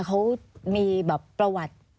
เขามีประวัติ